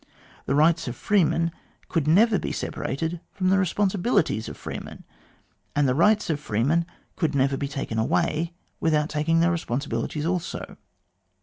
The rights of freemen could never be separated from the responsibilities of freemen, and the rights of freemen could never be taken away without taking their responsibilities also.